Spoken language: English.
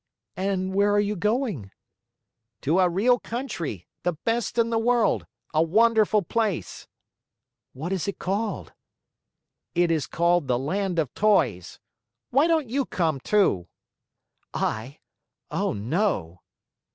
"And where are you going?" "To a real country the best in the world a wonderful place!" "What is it called?" "It is called the Land of Toys. Why don't you come, too?" "I? Oh, no!"